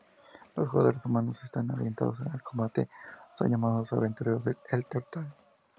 Los jugadores humanos que están orientados al combate son llamados "aventureros" en "Elder Tale".